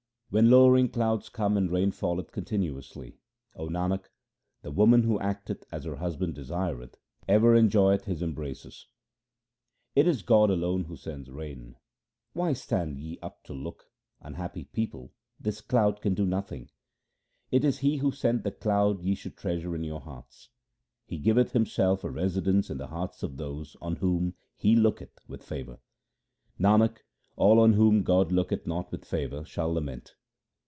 When lowering clouds come and rain falleth continuously, 0 Nanak, the woman who acteth as her husband desireth, ever enjoyeth his embraces. 1 His human birth ; his soul does not descend to a lower animal. R 2 244 THE SIKH RELIGION It is God alone who sends rain :— Why stand ye up to look ? unhappy people, this cloud can do nothing. It is He who sent the cloud ye should treasure in your hearts. He giveth Himself a residence in the hearts of those on whom He looketh with favour. Nanak, all on whom God looketh not with favour shall lament.